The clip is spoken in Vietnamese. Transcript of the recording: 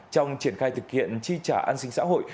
trong triển khai thực hiện chi trả an sinh xã hội